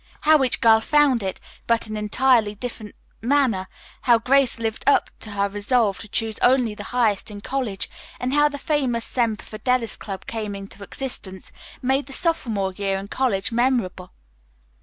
How each girl found it, but in an entirely different manner, how Grace lived up to her resolve to choose only the highest in college, and how the famous Semper Fidelis Club came into existence, made the sophomore year in college memorable.